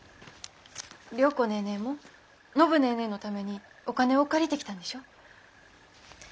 良子ネーネーも暢ネーネーのためにお金を借りてきたんでしょ？